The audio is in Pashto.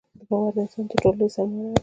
• باور د انسان تر ټولو لوی سرمایه ده.